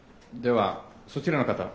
ではそちらの方。